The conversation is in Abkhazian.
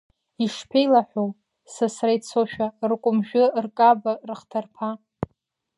Ишԥеилаҳәоу, сасра ицошәа, ркәымжәы, ркаба, рыхҭарԥа…